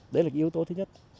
đấy là yếu tố thứ nhất